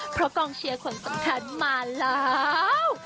เพราะกองเชียร์คนสำคัญมาแล้ว